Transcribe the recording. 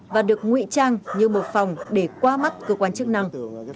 và được nguy trang như một phòng để qua mắt cơ quan chức năng